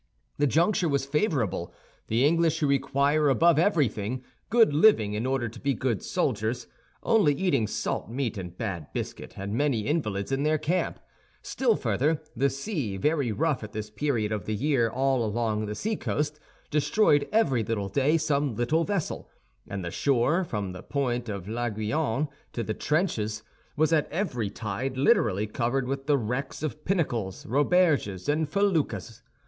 The juncture was favorable. The English, who require, above everything, good living in order to be good soldiers, only eating salt meat and bad biscuit, had many invalids in their camp. Still further, the sea, very rough at this period of the year all along the sea coast, destroyed every day some little vessel; and the shore, from the point of l'Aiguillon to the trenches, was at every tide literally covered with the wrecks of pinnacles, roberges, and feluccas.